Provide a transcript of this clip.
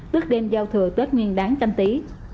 tức đêm giao thừa tết nguyên đáng canh tí